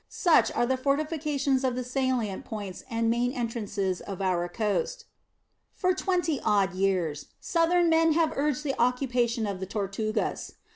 Such are the fortifications of the salient points and main entrances of our coast. For twenty odd years Southern men have urged the occupation of the Tortugas.